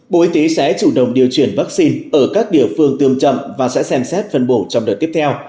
bộ y tế sẽ chủ động điều chuyển vaccine ở các địa phương tương trợ và sẽ xem xét phân bổ trong đợt tiếp theo